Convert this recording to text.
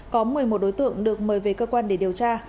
có một mươi một đối tượng được mời về cơ quan để điều tra